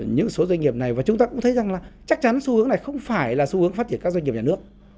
những số doanh nghiệp này và chúng ta cũng thấy rằng là chắc chắn xu hướng này không phải là xu hướng phát triển các doanh nghiệp nhà nước